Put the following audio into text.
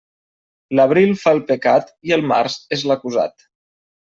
L'abril fa el pecat i el març és l'acusat.